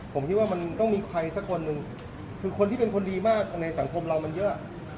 ผมคิดว่ามันต้องมีใครสักคนหนึ่งคือคนที่เป็นคนดีมากในสังคมเรามันเยอะ